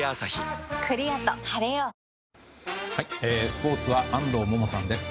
スポーツは安藤萌々さんです。